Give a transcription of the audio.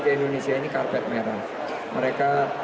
kita hormati rakyat privat mereka